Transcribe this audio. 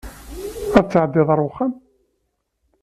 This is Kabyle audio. Ad tɛeddiḍ ar wexxam.